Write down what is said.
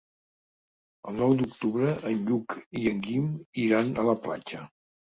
El nou d'octubre en Lluc i en Guim iran a la platja.